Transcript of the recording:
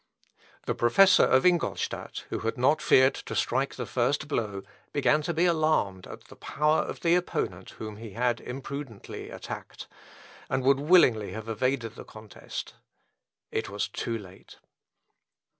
The professor of Ingolstadt, who had not feared to strike the first blow, began to be alarmed at the power of the opponent whom he had imprudently attacked, and would willingly have evaded the contest. It was too late.